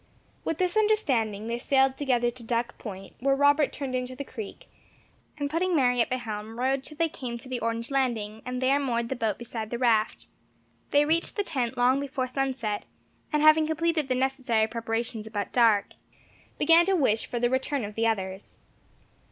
With this understanding they sailed together to Duck Point, where Robert turned into the Creek, and putting Mary at the helm, rowed until they came to the orange landing, and there moored the boat beside the old raft. They reached the tent long before sunset, and having completed the necessary preparations about dark, began to wish for the return of the others.